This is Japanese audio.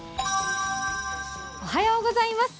おはようございます。